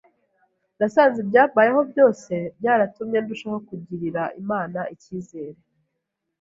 nasanze ibyambayeho byose byaratumye ndushaho kugirira Imana icyizere.